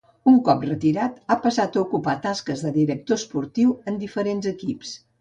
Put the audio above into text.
Un cop retirat, ha passat a ocupar tasques de director esportiu en diferents equips.